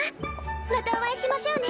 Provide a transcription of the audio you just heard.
またお会いしましょうね。